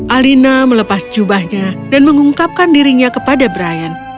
alina melepas jubahnya dan mengungkapkan dirinya kepada brian